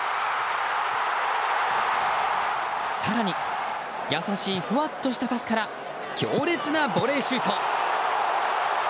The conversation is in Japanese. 更に優しいふわっとしたパスから強烈なボレーシュート。